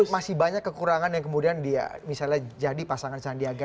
masih banyak kekurangan yang kemudian dia misalnya jadi pasangan sandiaga